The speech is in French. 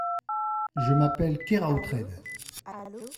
Je m’appelle Keraotred.